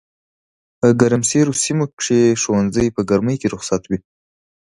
په ګرمسېرو سيمو کښي ښوونځي په ګرمۍ کي رخصت وي